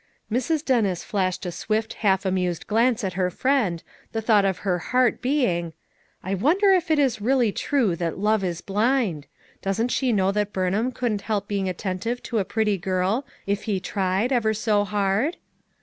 Mrs. Dennis flashed a swift half amused glance at her friend, the thought of her heart being, "I wonder if it is really true that Move is blind'? Doesn't she know that Burnham couldn't help being attentive to a pretty girl, if he tried ever so hard!"